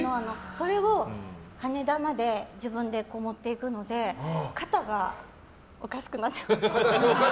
それを羽田まで自分で持っていくので肩がおかしくなってました。